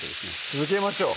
続けましょう